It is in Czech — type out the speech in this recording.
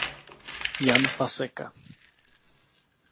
Jan Paseka.